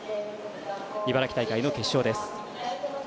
茨城大会の決勝です。